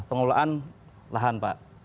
pengelolaan lahan pak